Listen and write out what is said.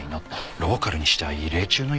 ローカルにしては異例中の異例だよ。